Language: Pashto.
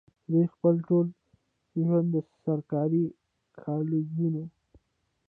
دوي خپل ټول ژوند د سرکاري کالجونو